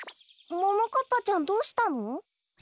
ももかっぱちゃんどうしたの？